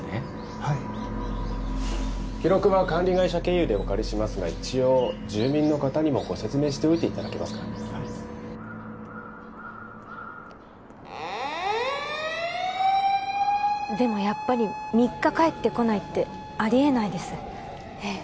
はい記録は管理会社経由でお借りしますが一応住民の方にもご説明しておいていただけますかはいでもやっぱり３日帰ってこないってありえないですええ